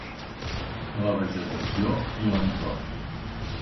La vegetació i l'entorn.